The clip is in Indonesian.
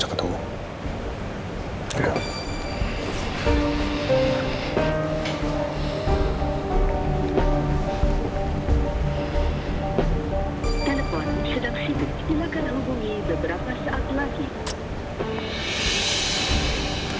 silakan hubungi beberapa saat lagi